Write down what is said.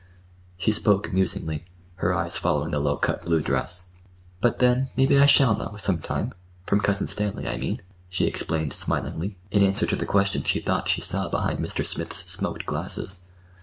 She spoke musingly, her eyes following the low cut blue dress. "But, then, maybe I shall know, some time,—from Cousin Stanley, I mean," she explained smilingly, in answer to the question she thought she saw behind Mr. Smith's smoked glasses.